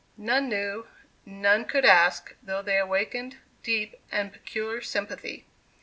None knew, none could ask, though they awakened deep and peculiar sympathy.